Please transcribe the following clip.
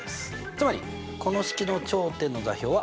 つまりこの式の頂点の座標は？